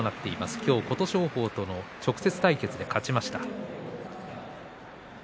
今日琴勝峰との直接対決で勝ちました。